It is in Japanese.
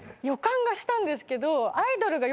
予感がしたんですけど。